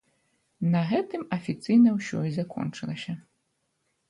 На гэтым афіцыйна ўсё і закончылася.